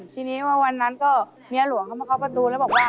ทีนี้วันวก็เมียหลวงก็มาเข้าไปดูแล้วบอกว่า